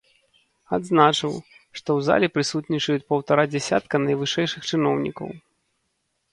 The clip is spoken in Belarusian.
Адзначыў, што ў зале прысутнічаюць паўтара дзясятка найвышэйшых чыноўнікаў.